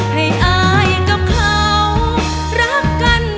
ให้อ้ายกับเขารักกันเถอะ